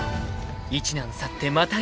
［一難去ってまた